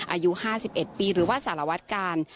อายุ๕๑ปีหรือว่าสารวัตกาล